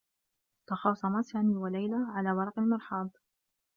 تخاصما سامي و ليلى على ورق المرحاض.